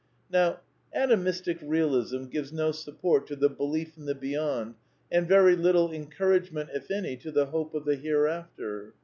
Now Atomistic Realism gives no support to the Belief in the Beyond " and very little encouragement, if any, to the " Hope of the Hereafter."